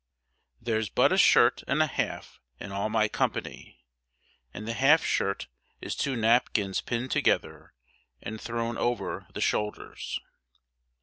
There's but a shirt and a half in all my company, and the half shirt is two napkins pinned together and thrown over the shoulders.